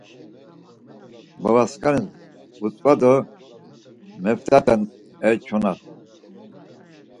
Babasǩani vutzva do meft̆aten e çona!